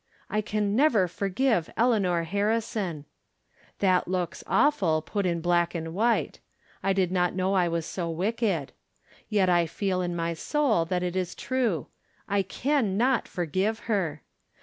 I can never forgive Eleanor Harrison. That looks awful, put in black and white. I did not know I was so wicked. Yet I feel in my soul that it is true. I can not forgive her.